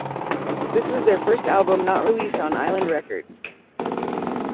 This was their first album not released on Island Records.